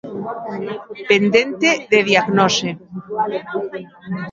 Pendente de diagnose.